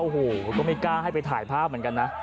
โอ้โหก็ไม่กล้าให้ไปถ่ายภาพเหมือนกันนะ